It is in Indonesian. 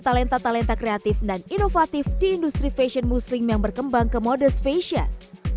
talenta talenta kreatif dan inovatif di industri fashion muslim yang berkembang ke modest fashion